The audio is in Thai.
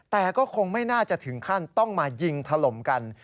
แต่ก็คงไม่น่าจะถึงขั้นต้องมายิงถล่มกัน